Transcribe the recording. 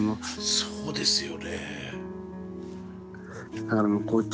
そうですよね。